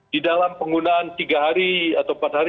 di dalam penggunaan tiga hari atau empat hari